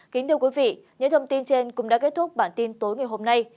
kính thưa quý vị những thông tin trên cũng đã kết thúc bản tin tối ngày hôm nay